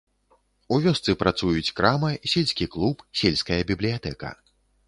У вёсцы працуюць крама, сельскі клуб, сельская бібліятэка.